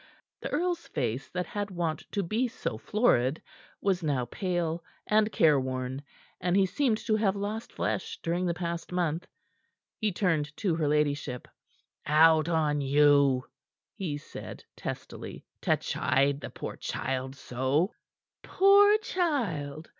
The earl's face that had wont to be so florid, was now pale and careworn, and he seemed to have lost flesh during the past month. He turned to her ladyship. "Out on you!" he said testily, "to chide the poor child so!" "Poor child!"